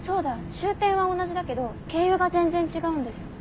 終点は同じだけど経由が全然違うんです。